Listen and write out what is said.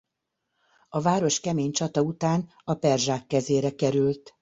A város kemény csata után a perzsák kezére került.